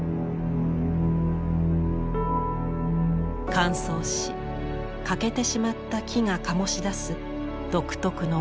乾燥し欠けてしまった木が自ら醸し出す独特のわび。